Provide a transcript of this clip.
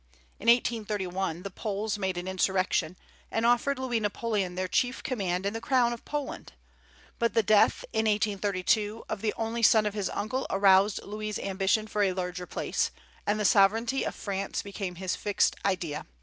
In 1831 the Poles made an insurrection, and offered Louis Napoleon their chief command and the crown of Poland; but the death, in 1832, of the only son of his uncle aroused Louis's ambition for a larger place, and the sovereignty of France became his "fixed idea."